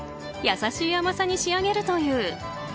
優しい甘さに仕上げるという。